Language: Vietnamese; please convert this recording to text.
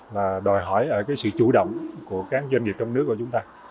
là đòi hỏi ở cái sự chủ động của các doanh nghiệp trong nước của chúng ta